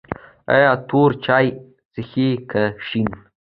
ایا تور چای څښئ که شین؟